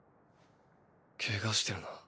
ケガしてるな。